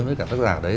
với cả tác giả đấy